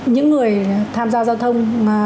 những người tham gia giao thông